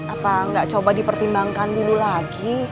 apa nggak coba dipertimbangkan dulu lagi